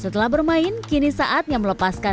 setelah bermain kini saatnya melepaskan